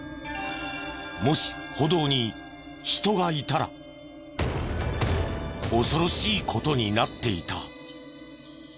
もし歩道に人がいたら恐ろしい事になっていた。